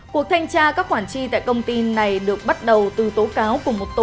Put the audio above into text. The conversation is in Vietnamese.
cuộc thanh tra các khoản chi tại công ty này được bắt đầu từ tố cáo của một tổ chức